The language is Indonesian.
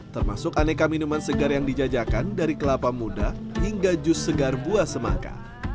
termasuk aneka minuman segar yang dijajakan dari kelapa muda hingga jus segar buah semangka